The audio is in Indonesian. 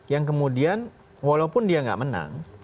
yang kemudian walaupun dia nggak menang